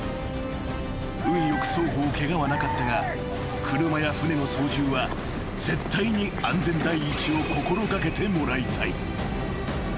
［運よく双方ケガはなかったが車や船の操縦は絶対に安全第一を心掛けてもらいたい］